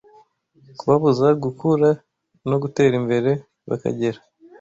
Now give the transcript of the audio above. kubabuza gukura no gutera imbere bakagera